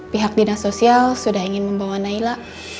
pihak dinas sosial sudah ingin membawa naila